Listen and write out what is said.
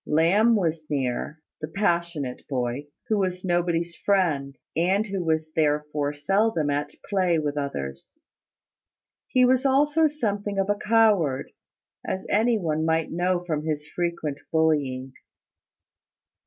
Lamb was near, the passionate boy, who was nobody's friend, and who was therefore seldom at play with others. He was also something of a coward, as any one might know from his frequent bullying.